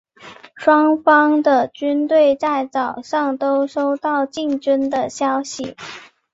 双方的军队在早上都收到进军的消息。